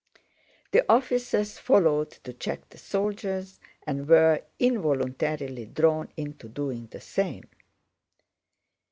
The officers followed to check the soldiers and were involuntarily drawn into doing the same.